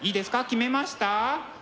決めました？